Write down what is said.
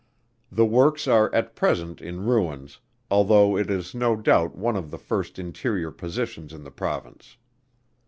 The works are at present in ruins; although it is no doubt one of the first interior positions in the Province.